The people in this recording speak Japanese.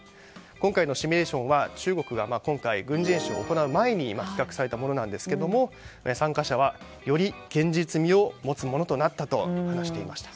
今回のシミュレーションは中国が今回の軍事演習を行う前に企画されたものなんですが参加者はより現実味を持つものとなったと話していました。